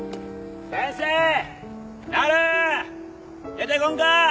出てこんか！